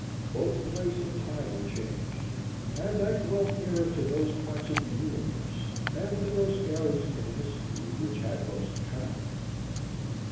Both place and time were changed, and I dwelt nearer to those parts of the universe and to those eras in history which had most attracted me.